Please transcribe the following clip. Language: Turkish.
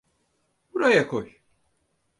Buraya koy.